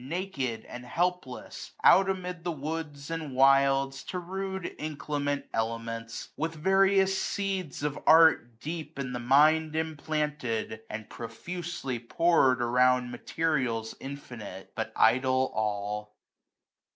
Naked, and helpless, out amid the woods And wilds, to rude inclement elements ; With various seeds of art deep in the mind 50 Implanted, and profusely pour'd around Materials infinite ; but idle all.